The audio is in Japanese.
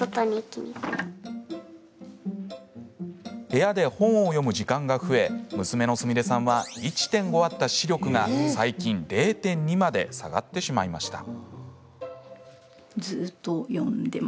部屋で本を読む時間が増え娘のすみれさんは１．５あった視力が最近、０．２まで下がってしまいました。